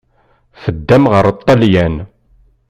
Teddam ɣer Ṭṭalyan.